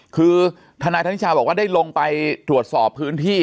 คือทนายธนิชาบอกว่าได้ลงไปตรวจสอบพื้นที่